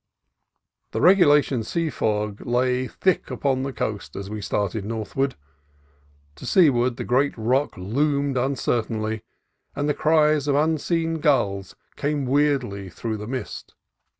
The regulation sea fog lay thick upon the coast as we started northward. To seaward the great rock loomed uncertainly, and the cries of unseen gulls came weirdly through the mist.